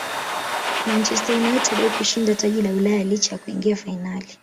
manchester united haikushinda taji la ulaya licha ya kuingia fainali